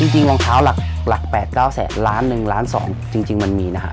รองเท้าหลัก๘๙แสนล้านหนึ่งล้าน๒จริงมันมีนะฮะ